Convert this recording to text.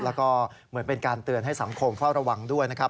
แล้วก็เหมือนเป็นการเตือนให้สังคมเฝ้าระวังด้วยนะครับ